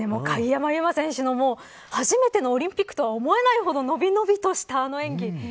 鍵山優真選手の初めてのオリンピックは思えないほどのびのびとしたあの演技。